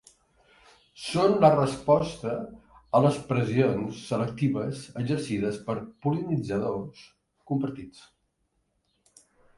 Són la resposta a les pressions selectives exercides per pol·linitzadors compartits.